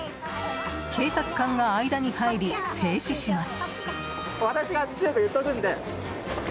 警察官が間に入り、制止します。